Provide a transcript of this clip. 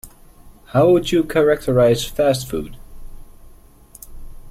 How would you characterize fast food?